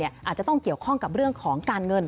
อาจจะต้องเกี่ยวข้องกับเรื่องของการเงิน